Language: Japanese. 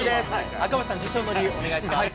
赤星さん、受賞の理由、お願いします。